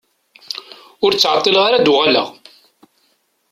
Ur ttɛeṭṭileɣ ara ad d-uɣaleɣ.